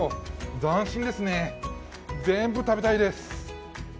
斬新ですね、全部食べたいです。